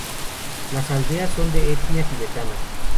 Las aldeas son de etnia tibetana.